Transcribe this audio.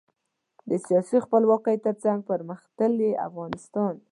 د سیاسي خپلواکۍ ترڅنګ پرمختللي افغانستان.